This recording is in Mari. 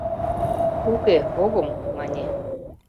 «Уке, огым, — мане.